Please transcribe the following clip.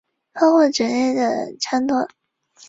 包括折叠的枪托。